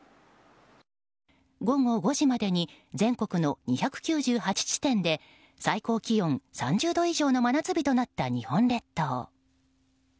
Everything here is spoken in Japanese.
午後５時までに全国の２９８地点で最高気温３０度以上の真夏日となった日本列島。